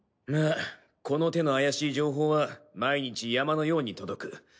まあこの手の怪しい情報は毎日山のように届く。